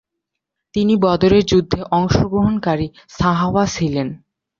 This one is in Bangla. তিনি বদরের যুদ্ধে অংশগ্রহণকারী সাহাবা ছিলেন।